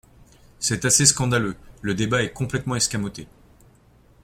C’est assez scandaleux ! Le débat est complètement escamoté.